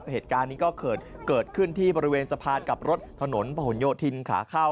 เหตุการณ์นี้ก็เกิดขึ้นที่บริเวณสะพานกับรถถนนพะหนโยธินขาเข้า